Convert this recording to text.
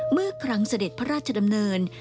เมื่อครั้งเสด็จพระราชดำเนิน